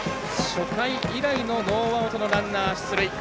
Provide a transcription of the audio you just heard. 初回以来のノーアウトのランナー出塁。